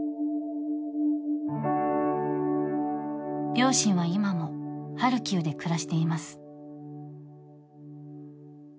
両親は今もハルキウで暮らしています。